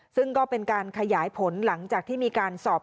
ซึ่งก็เป็นการขยายผลหลังจากที่มีการสอบ